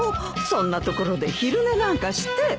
そんな所で昼寝なんかして。